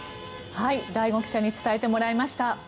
醍醐記者に伝えてもらいました。